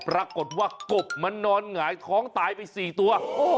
ปรากฏว่ากบมันนอนหงายท้องตายไป๔ตัว